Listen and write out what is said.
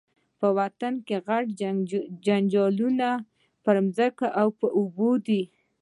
په وطن کي غټ جنجالونه پر مځکو او اوبو دي